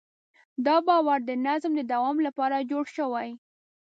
دا باور د نظم د دوام لپاره جوړ شوی.